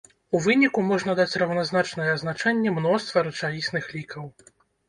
У выніку, можна даць раўназначнае азначэнне мноства рэчаісных лікаў.